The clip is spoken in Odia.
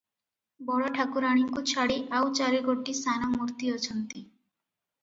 ବଡ଼ ଠାକୁରାଣୀଙ୍କୁ ଛାଡ଼ି ଆଉ ଚାରିଗୋଟି ସାନ ମୂର୍ତ୍ତି ଅଛନ୍ତି ।